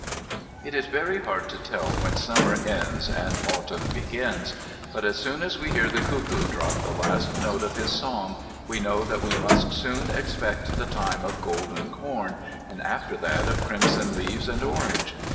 It is very hard to tell when Summer ends and Autumn begins. But as soon as we hear the cuckoo drop the last note of his song we know that we must soon expect the time of golden corn, and after that of crimson leaves and orange.